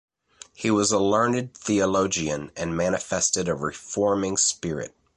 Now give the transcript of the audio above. He was a learned theologian and manifested a reforming spirit.